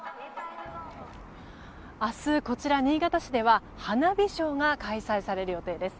明日、こちら新潟市では花火ショーが開催される予定です。